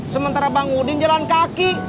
sementara bang udin jalan kaki